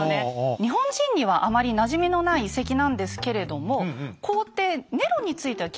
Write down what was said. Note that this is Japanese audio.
日本人にはあまりなじみのない遺跡なんですけれども皇帝ネロについては聞いたことがありますよね。